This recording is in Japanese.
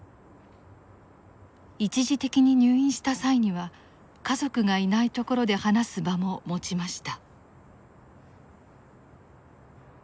一時的に入院した際には家族がいないところで話す場も持ちました。